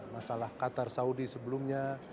masalah qatar saudi sebelumnya